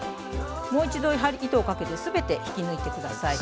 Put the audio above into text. もう一度糸をかけて全て引き抜いて下さい。